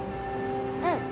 うん。